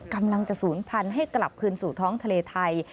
กำลังจะศูนย์พันธุ์ให้กลับคืนสู่ท้องทะเลไทย